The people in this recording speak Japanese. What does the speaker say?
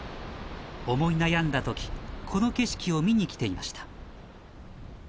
思い悩んだ時この景色を見に来ていました